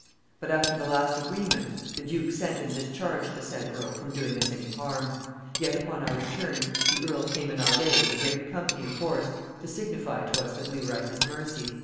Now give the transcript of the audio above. But after the last agreement, the duke sent and discharged the said earl from doing us any harm; yet upon our return the earl came in our way with a great company of horse, to signify to us that we were at his mercy."